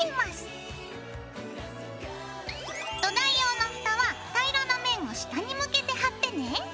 土台用のふたは平らな面を下に向けて貼ってね。